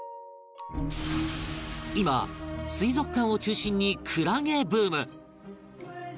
今水族館を中心にクラゲブーム